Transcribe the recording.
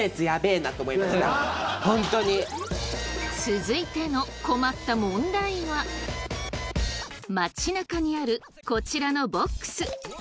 続いての困った問題は街なかにあるこちらのボックス。